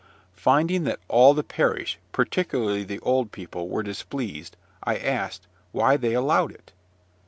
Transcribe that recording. Finding that all the parish, particularly the old people, were displeased, I asked "why they allowed it?"